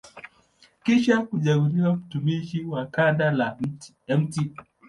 Kisha kuchaguliwa mtumishi wa kanda ya Mt.